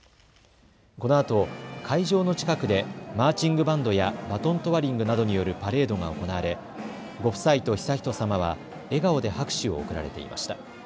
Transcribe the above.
このあと会場の近くでマーチングバンドやバトントワリングなどによるパレードが行われご夫妻と悠仁さまは笑顔で拍手を送られていました。